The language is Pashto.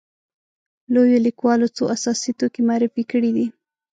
لویو لیکوالو څو اساسي توکي معرفي کړي دي.